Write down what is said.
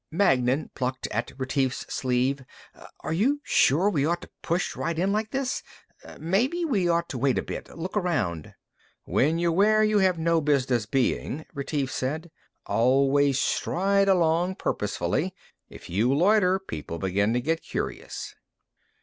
Magnan plucked at Retief's sleeve. "Are you sure we ought to push right in like this? Maybe we ought to wait a bit, look around...." "When you're where you have no business being," Retief said, "always stride along purposefully. If you loiter, people begin to get curious."